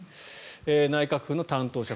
内閣府の担当者。